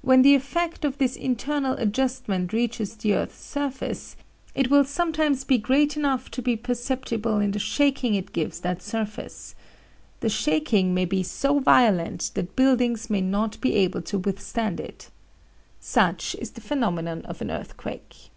When the effect of this internal adjustment reaches the earth's surface it will sometimes be great enough to be perceptible in the shaking it gives that surface. The shaking may be so violent that buildings may not be able to withstand it. Such is the phenomenon of an earthquake.